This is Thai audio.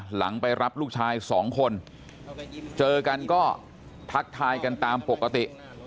หลังไปรับลูกชายสองคนเจอกันก็ทักทายกันตามปกติ